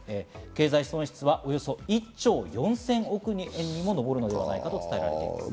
経済損失はおよそ１兆４０００億円にも上ると伝えられています。